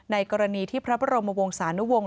กรณีที่พระบรมวงศานุวงศ